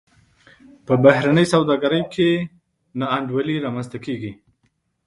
په بهرنۍ سوداګرۍ کې نا انډولي رامنځته کیږي.